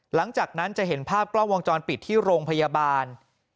หลังจากนั้นจะเห็นภาพกล้องวงจรปิดที่โรงพยาบาล